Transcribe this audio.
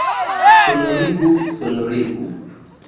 Sonorigu, sonorigu!